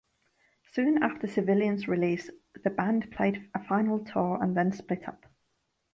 Soon after Civilian's release, the band played a final tour and then split up.